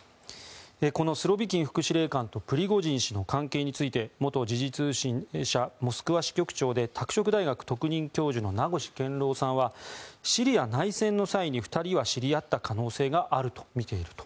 このスロビキン副司令官とプリゴジン氏の関係について元時事通信社モスクワ支局長で拓殖大学特任教授の名越健郎さんはシリア内戦の際に２人は知り合った可能性があると見ていると。